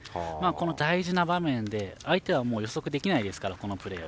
大事な場面で相手は予測できないですからこのプレーは。